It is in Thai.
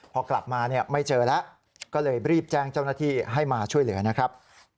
พอกลับมาเนี่ยไม่เจอแล้วก็เลยรีบแจ้งเจ้าหน้าที่ให้มาช่วยเหลือนะครับ